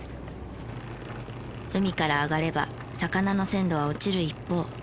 海から揚がれば魚の鮮度は落ちる一方。